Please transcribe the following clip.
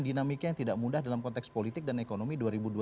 dinamiknya yang tidak mudah dalam konteks politik dan ekonomi